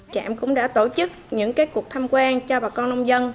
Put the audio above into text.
trạm cũng đã tổ chức những cuộc tham quan cho bà con nông dân